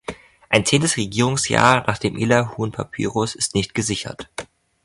Ein zehntes Regierungsjahr nach dem Illahun-Papyrus ist nicht gesichert.